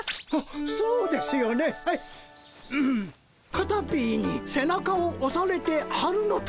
「カタピーにせなかをおされて春の旅」。